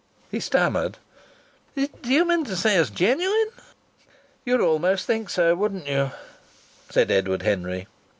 He stammered: "Do you mean to say it's genuine?" "You'd almost think so, wouldn't you?" said Edward Henry.